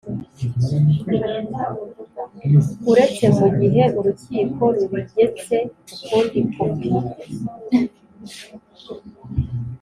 Uretse mu gihe urukiko rubigetse ukundi kopi